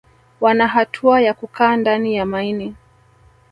Wana hatua ya kukaa ndani ya maini